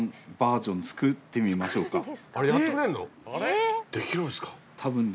えっできるんすか？